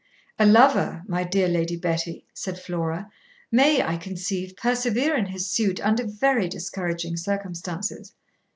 'A lover, my dear Lady Betty,' said Flora, 'may, I conceive, persevere in his suit under very discouraging circumstances.